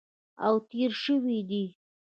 او تېر شوي دي